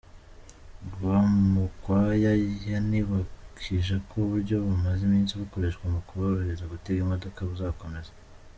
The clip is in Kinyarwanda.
Rwamukwaya yanibukije ko uburyo bumaze iminsi bukoreshwa mu kuborohereza gutega imodoka buzakomeza.